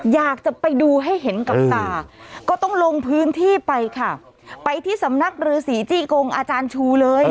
อยากจะไปดูให้เห็นกับตาก็ต้องลงพื้นที่ไปค่ะไปที่สำนักรือสีจี้กงอาจารย์ชูเลย